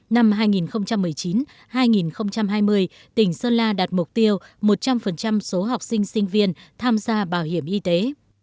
năm hai nghìn một mươi chín hai nghìn hai mươi tỉnh sơn la đạt mục tiêu một trăm linh số học sinh sinh viên tham gia bảo hiểm y tế